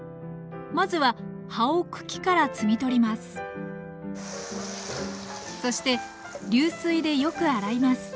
まずは葉を茎から摘み取りますそして流水でよく洗います。